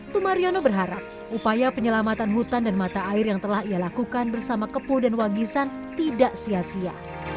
tumariono berharap upaya penyelamatan hutan dan mata air yang telah ia lakukan bersama kepuh dan wanggisan tidak sia sia